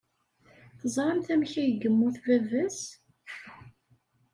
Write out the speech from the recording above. Teẓramt amek ay yemmut baba-s?